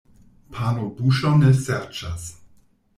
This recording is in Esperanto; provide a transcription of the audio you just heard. Pano buŝon ne serĉas.